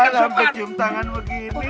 cium tangan begini